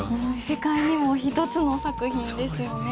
世界に一つの作品ですよね。